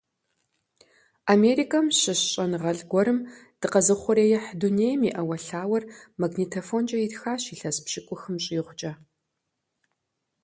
Америкэм щыщ щӀэныгъэлӀ гуэрым дыкъэзыухъуреихь дунейм и Ӏэуэлъауэр магнитофонкӀэ итхащ илъэс пщыкӀухым щӀигъукӀэ.